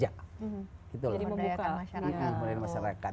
jadi memperdayakan masyarakat